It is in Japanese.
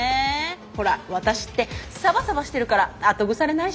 ほらワタシってサバサバしてるから後腐れないし。